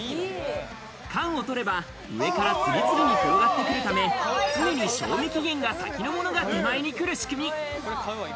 缶を取れば、上から次々に転がってくるため常に賞味期限が先のものが手前にくる仕組み。